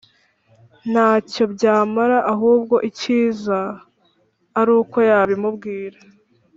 ntacyo byamara ahubwo ikiza aruko yabimubwira